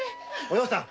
お葉さん